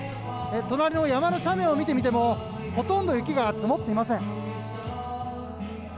隣の山の斜面を見てみてもほとんど雪が積もっていません。